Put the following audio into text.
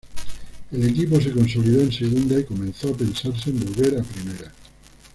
El equipo se consolidó en Segunda y comenzó a pensarse en volver a Primera.